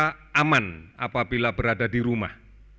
kita harus merasa aman apabila berada di rumah